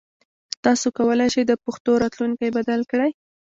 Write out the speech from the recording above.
تاسو کولای شئ د پښتو راتلونکی بدل کړئ.